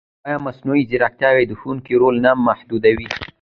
ایا مصنوعي ځیرکتیا د ښوونکي رول نه محدودوي؟